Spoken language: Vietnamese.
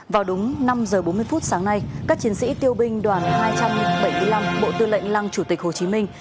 vào đúng năm giờ bốn mươi phút sáng nay các chiến sĩ tiêu binh đoàn hai trăm bảy mươi năm bộ tư lệnh lăng chủ tịch hồ chí minh